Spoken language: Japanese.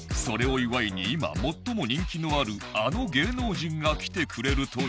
それを祝いに今最も人気のあるあの芸能人が来てくれるという。